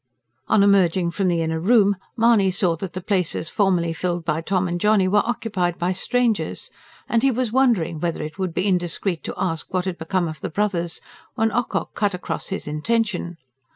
On emerging from the inner room, Mahony saw that the places formerly filled by Tom and Johnny were occupied by strangers; and he was wondering whether it would be indiscreet to ask what had become of the brothers, when Ocock cut across his intention.